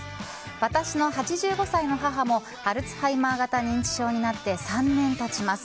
私の８５歳の母もアルツハイマー型認知症になって３年経ちます。